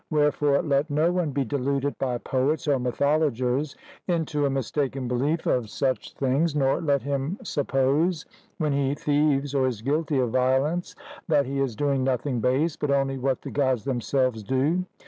Wherefore let no one be deluded by poets or mythologers into a mistaken belief of such things, nor let him suppose, when he thieves or is guilty of violence, that he is doing nothing base, but only what the Gods themselves do.